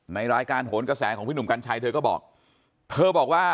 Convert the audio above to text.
ในรายการโหนกระแสของพี่หนุ่มกัญชัยเธอก็บอกเธอบอกว่า